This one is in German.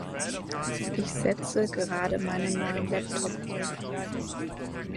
Ich setze gerade meinen neuen Laptop auf.